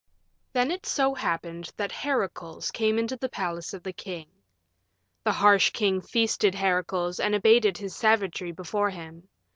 Then it so happened that Heracles came into the palace of the king. The harsh king feasted Heracles and abated his savagery before him.